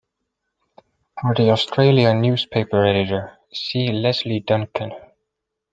For the Australian newspaper editor, see Leslie Duncan.